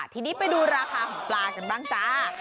ทีนี้ไปดูราคาของปลากันบ้างจ้า